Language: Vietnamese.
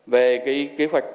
về cái kế hoạch